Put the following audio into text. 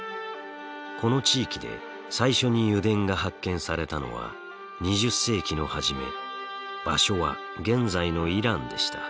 この地域で最初に油田が発見されたのは２０世紀の初め場所は現在のイランでした。